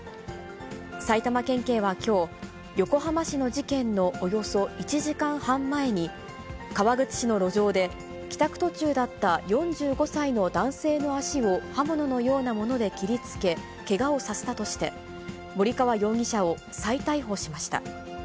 埼玉県警はきょう、横浜市の事件のおよそ１時間半前に、川口市の路上で帰宅途中だった４５歳の男性の足を刃物のようなもので切りつけ、けがをさせたとして、森川容疑者を再逮捕しました。